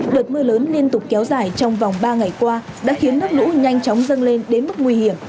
đợt mưa lớn liên tục kéo dài trong vòng ba ngày qua đã khiến nước lũ nhanh chóng dâng lên đến mức nguy hiểm